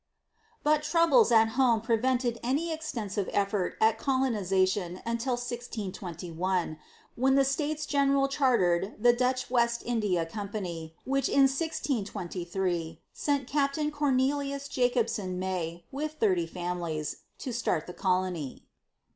But troubles at home prevented any extensive effort at colonization until 1621, when the States General chartered the Dutch West India Company, which in 1623 sent Captain Cornelius Jacobsen Mey, with thirty families, to start the colony.